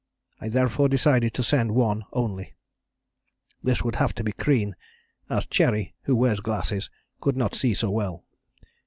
I therefore decided to send one only. This would have to be Crean, as Cherry, who wears glasses, could not see so well.